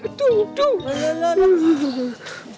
aduh aduh aduh